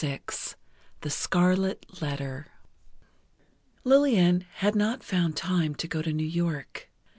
VI "THE SCARLET LETTER" Lillian had not found time to go to New York.